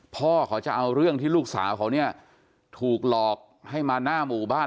พ่อเขาจะเอาเรื่องที่ลูกสาวเขาเนี่ยถูกหลอกให้มาหน้าหมู่บ้าน